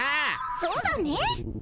そうだね。